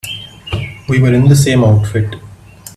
We were in the same outfit.